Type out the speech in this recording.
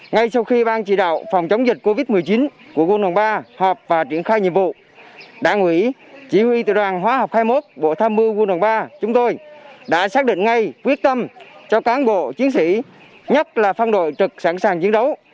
ngay sau khi ban chỉ đạo phòng chống dịch covid một mươi chín của quân đoàn ba họp và triển khai nhiệm vụ đảng ủy chỉ huy từ đoàn hóa học hai mươi một bộ tham mưu quân đoàn ba chúng tôi đã xác định ngay quyết tâm cho cán bộ chiến sĩ nhất là phân đội trực sẵn sàng chiến đấu